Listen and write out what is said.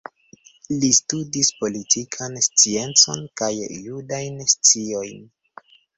Li studis politikan sciencon kaj judajn sciojn.